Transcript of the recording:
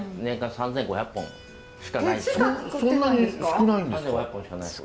３，５００本しかないです